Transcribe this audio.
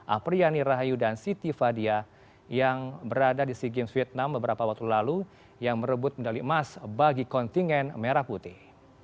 apriyani rahayu dan siti fadia yang berada di sea games vietnam beberapa waktu lalu yang merebut medali emas bagi kontingen merah putih